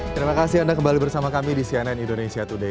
terima kasih anda kembali bersama kami di cnn indonesia today